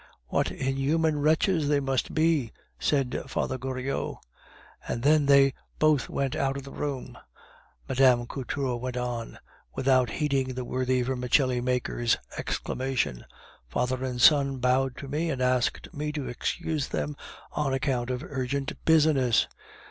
"What inhuman wretches they must be!" said Father Goriot. "And then they both went out of the room," Mme. Couture went on, without heeding the worthy vermicelli maker's exclamation; "father and son bowed to me, and asked me to excuse them on account of urgent business!